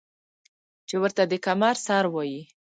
چې ورته د کمر سر وايي ـ